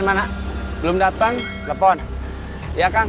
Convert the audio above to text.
nomor yang akan berjual tidak dapat menerima panggilan lantai